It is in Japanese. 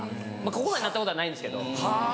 まぁここまでなったことはないんですけど。